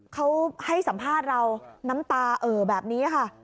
เขาให้สัมภาษณ์เราน้ำตาเอ่อแบบนี้ค่ะ